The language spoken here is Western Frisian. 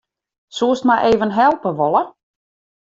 Soest my even helpe wolle?